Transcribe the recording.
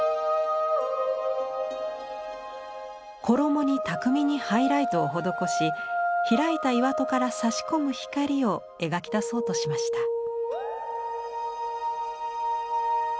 衣に巧みにハイライトを施し開いた岩戸からさし込む光を描き出そうとしました。